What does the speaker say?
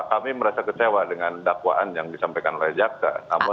kami merasa kecewa dengan dakwaan yang disampaikan oleh jaksa